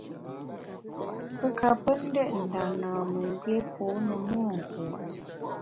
Pe ka pe ndét nda nâmemgbié pô ne monku.